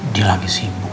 dia lagi sibuk